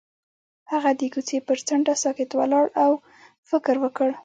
هغه د کوڅه پر څنډه ساکت ولاړ او فکر وکړ.